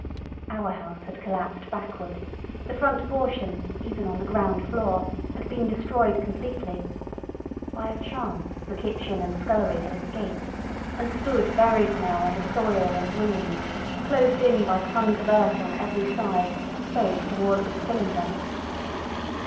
Our house had collapsed backward; the front portion, even on the ground floor, had been destroyed completely; by a chance the kitchen and scullery had escaped, and stood buried now under soil and ruins, closed in by tons of earth on every side save towards the cylinder.